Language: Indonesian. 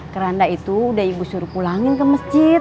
keranda itu udah ibu suruh pulangin ke masjid